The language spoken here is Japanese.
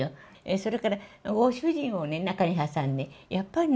それからご主人を中に挟んで、やっぱりね、